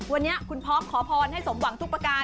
วันนี้คุณพร้อมขอพรให้สมหวังทุกประการ